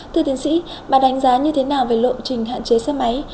thưa tiến sĩ bà đánh giá như thế nào về lộ trình hạn chế xe máy